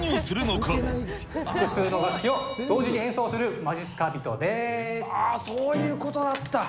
複数の楽器を同時に演奏するそういうことだった。